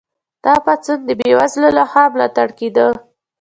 دا پاڅون د بې وزلو لخوا ملاتړ کیده.